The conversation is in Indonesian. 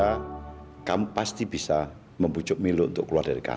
karena kamu pasti bisa membucuk milo untuk keluar dari kamar